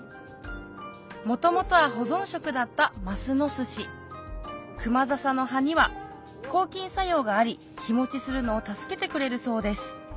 元々は保存食だったますのすしクマザサの葉には抗菌作用があり日持ちするのを助けてくれるそうです